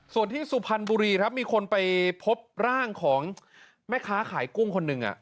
ส่วนที่สุพรรณบุรีครับมีคนไปพบร่างของแม่ค้าขายกุ้งคนหนึ่ง